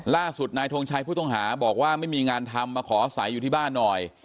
ล่าสุดนายทงชัยผู้ต้องหาบอกว่าไม่มีงานทำมาขออาศัยอยู่ที่บ้านหน่อย